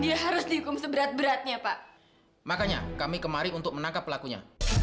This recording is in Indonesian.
dia harus dihukum seberat beratnya pak makanya kami kemari untuk menangkap pelakunya